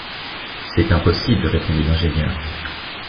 C’est impossible répondit l’ingénieur